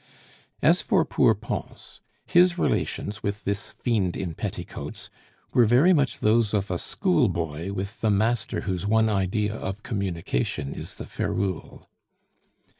As for poor Pons, his relations with this fiend in petticoats were very much those of a schoolboy with the master whose one idea of communication is the ferule.